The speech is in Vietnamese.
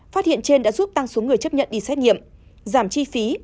phát hiện trên đã giúp tăng số người chấp nhận đi xét nghiệm giảm chi phí